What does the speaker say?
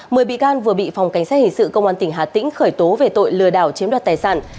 mờ bị can vừa bị phòng cảnh sát hình sự công an tỉnh hà tĩnh khởi tố về tội lừa đảo chiếm đoạt tài sản